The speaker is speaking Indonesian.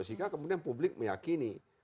sehingga kemudian publik meyakini